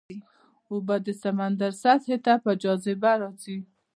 اوبه د سمندر سطحې ته په جاذبه راځي.